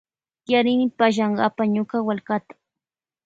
Tiyarini pallankapa ñuka wallkariyta.